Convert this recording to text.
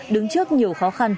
đứng trước nhiều khó khăn